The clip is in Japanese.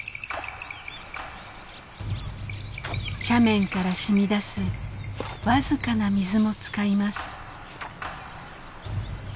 斜面からしみ出す僅かな水も使います。